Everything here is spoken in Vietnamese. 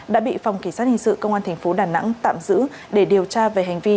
đã bị phòng kỳ sát hình sự công an thành phố đà nẵng tạm giữ để điều tra về hành vi